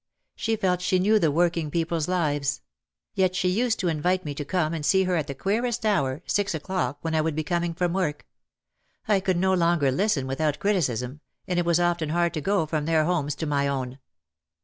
She felt she knew the working people's lives. Yet she used to invite me to come and see her at the queerest hour, six o'clock, when I would be coming from work. I could no longer listen without criticism, and it was often hard to go from their homes to my own.